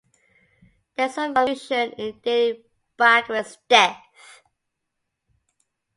There is some confusion in dating Bagrat's death.